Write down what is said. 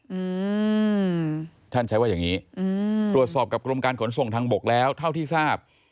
อืมท่านใช้ว่าอย่างงี้อืมตรวจสอบกับกรมการขนส่งทางบกแล้วเท่าที่ทราบ